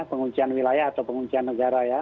penguncian wilayah atau penguncian negara ya